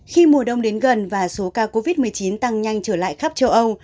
khi mùa đông đến gần và số ca covid một mươi chín tăng nhanh trở lại khắp châu âu